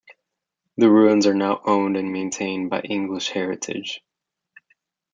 The ruins are now owned and maintained by English Heritage.